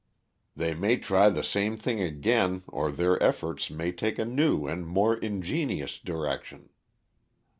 They may try the same thing again or their efforts may take a new and more ingenious direction."